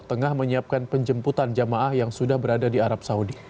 tengah menyiapkan penjemputan jamaah yang sudah berada di arab saudi